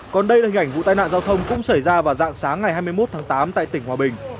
còn đây là hình ảnh vụ tai nạn giao thông cũng xảy ra vào dạng sáng ngày hai mươi một tháng tám tại tỉnh hòa bình